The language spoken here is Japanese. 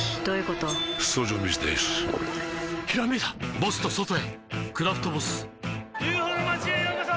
ボスと外へ「クラフトボス」ＵＦＯの町へようこそ！